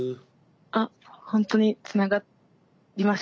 あほんとにつながりました。